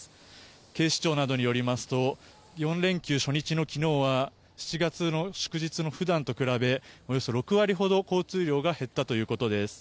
警視庁などによりますと４連休初日の昨日は７月の祝日の普段と比べおよそ６割ほど交通量が減ったということです。